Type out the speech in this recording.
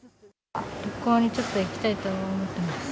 旅行にちょっと行きたいとは思ってます。